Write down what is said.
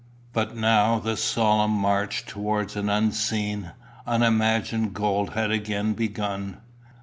But now the solemn march towards an unseen, unimagined goal had again begun.